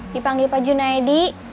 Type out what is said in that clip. di panggil pak junaedi